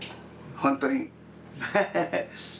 本当に。